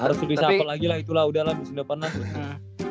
harus bisa apel lagi lah itulah udah lah bisa dapet lah